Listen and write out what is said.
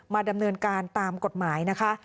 ดำเนินการตามกฎหมายนะคะ